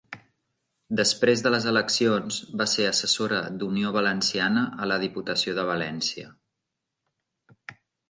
Després de les eleccions va ser assessora d'Unió Valenciana a la Diputació de València.